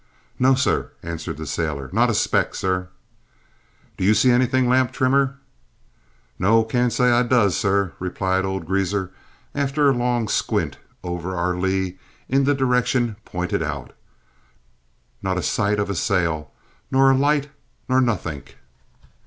"No, sir," answered the sailor; "not a speck, sir." "Do you see anything, lamp trimmer?" "No; can't say I does, sir," replied old Greazer, after a long squint over our lee in the direction pointed out, "Not a sight of a sail, nor a light, nor nothink!"